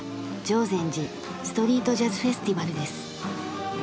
「定禅寺ストリートジャズフェスティバル」です。